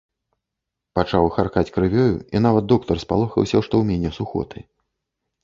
Пачаў харкаць крывёю, і нават доктар спалохаўся, што ў мяне сухоты.